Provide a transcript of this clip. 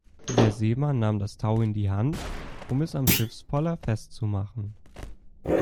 Der Seemann nahm das Tau in die Hand, um es am Schiffspoller festzumachen.